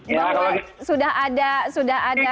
ya kalau sudah ada sudah ada